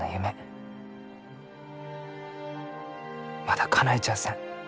まだかなえちゃあせん。